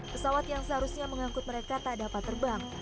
pesawat yang seharusnya mengangkut mereka tak dapat terbang